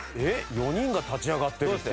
４人が立ち上がってるって。